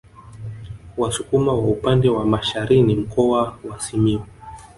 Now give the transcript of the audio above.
Wasukuma wa upande wa Masharini Mkoa wa Simiyu